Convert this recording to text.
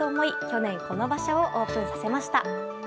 去年、この場所をオープンさせました。